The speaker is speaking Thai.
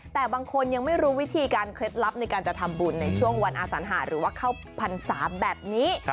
แต่บางคนยังไม่รู้วิธีการเคล็ดลับในการจะทำบุญในช่วงวันอาสัญหาหรือว่าเข้าพรรษาแบบนี้